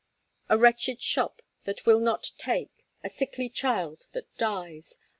A wretched shop that will not take, a sickly child that dies!